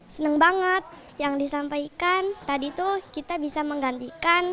senang banget yang disampaikan tadi tuh kita bisa menggantikan